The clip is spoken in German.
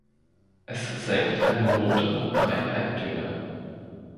Es senkt eine Note um drei Halbtöne.